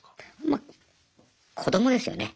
まあ子どもですよね。